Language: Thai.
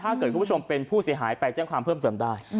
ถ้าเกิดคุณผู้ชมเป็นผู้เสียหายไปแจ้งความเพิ่มเติมได้